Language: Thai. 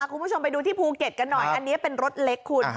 คุณผู้ชมไปดูที่ภูเก็ตกันหน่อยอันนี้เป็นรถเล็กคุณ